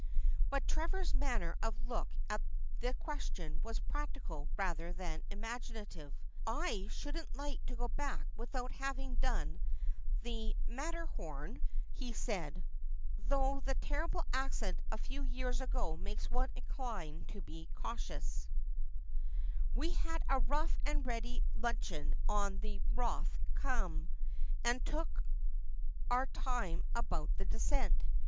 ' But Trevor's manner of look at the question was practical rather than imaginative. '" I shouldn't like to go back without having done the Mat 'Sens Love hath brought us to this Piteous End.' 375 terhorn," he said, " though the terrible accident a few years ago makes one inclined to be cautious." ' We had a rough and ready luncheon on the Rothe Kumm, and took our time about the descent.